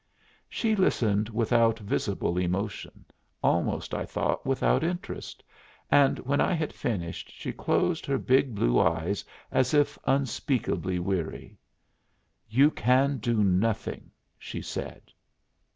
She listened without visible emotion almost I thought without interest, and when I had finished she closed her big blue eyes as if unspeakably weary. "You can do nothing," she said.